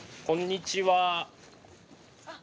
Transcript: こんにちは。